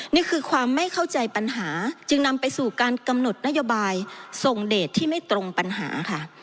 นี่คือความไม่เข้าใจปัญหาจึงนำไปสู่การกำหนดนโยบายส่งเดทที่ไม่ตรงปัญหาค่ะ